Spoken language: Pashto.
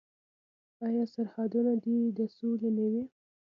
آیا سرحدونه دې د سولې نه وي؟